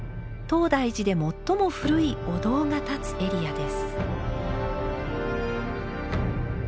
東大寺で最も古いお堂が立つエリアです。